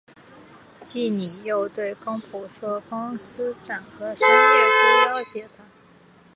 季姒又对公甫说公思展和申夜姑要挟她。